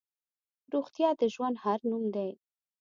روغتیا د ژوند هر نوم دی.